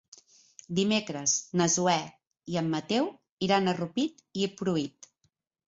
Dimecres na Zoè i en Mateu iran a Rupit i Pruit.